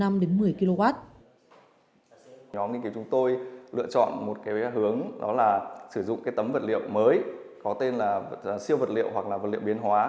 nhóm nghiên cứu chúng tôi lựa chọn một cái hướng đó là sử dụng cái tấm vật liệu mới có tên là siêu vật liệu hoặc là vật liệu biến hóa